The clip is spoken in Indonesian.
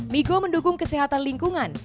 migo mendukung kesehatan lingkungan